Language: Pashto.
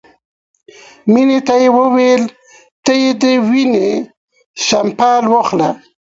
مينې ته يې وويل ته يې د وينې سېمپل واخله.